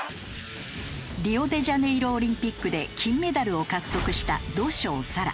リオデジャネイロオリンピックで金メダルを獲得した土性沙羅。